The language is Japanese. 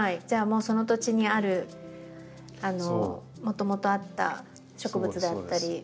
じゃあもうその土地にあるもともとあった植物だったり。